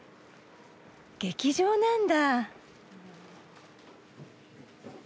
劇場なんだ。